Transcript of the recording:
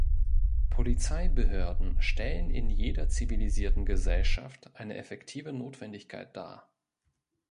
Polizeibehörden stellen in jeder zivilisierten Gesellschaft eine effektive Notwendigkeit dar.